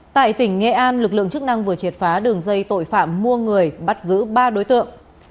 tại tỉnh nghệ an lực lượng chức năng vừa triệt phá đường dây tội phạm mua người bắt giữ ba đối tượng